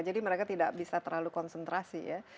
jadi mereka tidak bisa terlalu konsentrasi ya